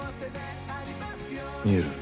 見える？